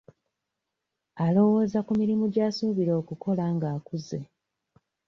Alowooza ku mirimu gy'asuubira okukola nga akuzze.